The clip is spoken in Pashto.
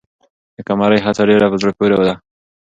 د قمرۍ هڅه ډېره په زړه پورې ده.